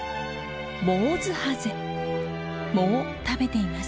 藻を食べています。